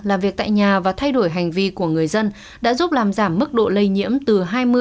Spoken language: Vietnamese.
làm việc tại nhà và thay đổi hành vi của người dân đã giúp làm giảm mức độ lây nhiễm từ hai mươi ba mươi